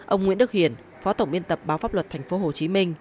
ông nguyễn đức hiền phó tổng biên tập báo pháp luật tp hcm